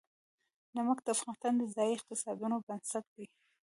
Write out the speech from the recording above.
نمک د افغانستان د ځایي اقتصادونو بنسټ دی.